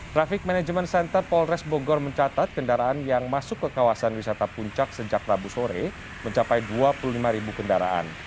traffic management center polres bogor mencatat kendaraan yang masuk ke kawasan wisata puncak sejak rabu sore mencapai dua puluh lima ribu kendaraan